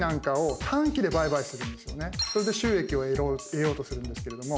それで収益を得ようとするんですけれども。